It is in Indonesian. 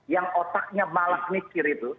yang otaknya malah mikir itu